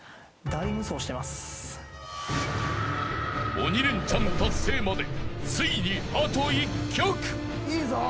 ［鬼レンチャン達成までついにあと１曲］